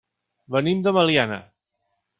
Venim de Meliana.